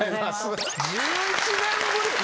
１１年ぶり！